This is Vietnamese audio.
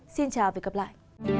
xin chào và gặp lại